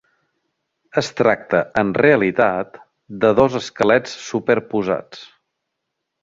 Es tracta, en realitat, de dos esquelets superposats.